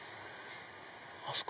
あそこ